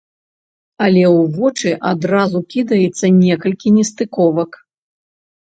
Але ў вочы адразу кідаецца некалькі нестыковак.